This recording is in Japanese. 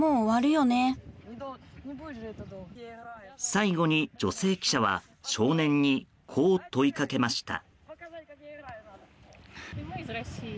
最後に女性記者は少年にこう問いかけました。